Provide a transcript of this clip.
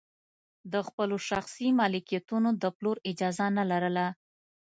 د خپلو شخصي ملکیتونو د پلور اجازه نه لرله.